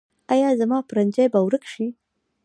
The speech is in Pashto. ایا زما پرنجی به ورک شي؟